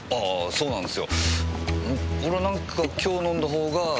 そうなんです。